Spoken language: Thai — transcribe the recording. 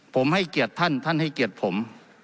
ผมให้เกียจท่านท่านให้เกียจผม